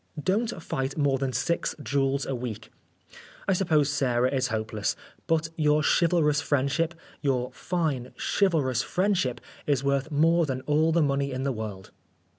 Don't fight more than 6 duels a week ! I suppose Sarah is hopeless ; but your chivalrous friendship your fine, chivalrous friendship is worth more than all the money in the world.